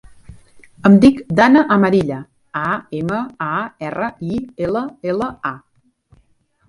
Em dic Danna Amarilla: a, ema, a, erra, i, ela, ela, a.